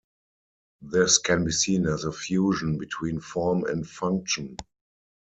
This can be seen as a fusion between form and function.